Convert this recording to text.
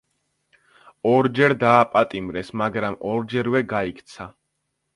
ორჯერ დააპატიმრეს, მაგრამ ორჯერვე გაიქცა.